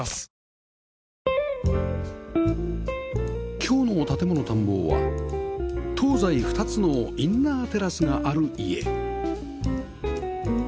今日の『建もの探訪』は東西２つのインナーテラスがある家